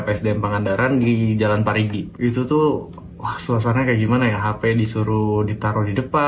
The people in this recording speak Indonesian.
husein mengatakan bahwa dia tidak bisa membayar uang untuk kepentingan acara latihan dasar guru muda